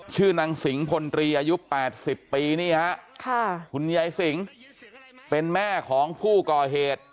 ชื่อนางสิงพลตรีอายุ๘๐ปีนี่ฮะคุณยายสิงเป็นแม่ของผู้ก่อเหตุ